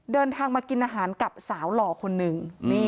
เดินทางมากินอาหารกับสาวหล่อคนหนึ่ง